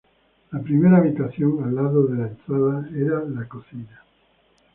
La primera habitación, al lado de la entrada, era la cocina.